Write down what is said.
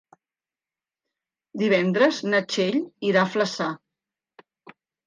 Divendres na Txell irà a Flaçà.